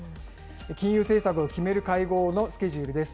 金融政策を決める会合のスケジュールです。